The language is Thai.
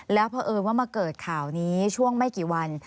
แล้วเพราะเอิญว่ามาเกิดข่าวนี้ช่วงไม่กี่วัน